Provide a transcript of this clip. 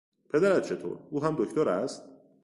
پدرت چطور، او هم دکتر است؟